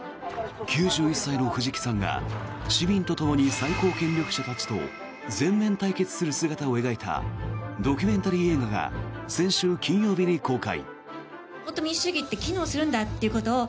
９１歳の藤木さんが市民とともに最高権力者たちと全面対決する姿を描いたドキュメンタリー映画が先週金曜日に公開。